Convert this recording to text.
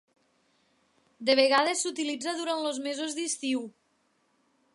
De vegades s'utilitza durant els mesos d'estiu.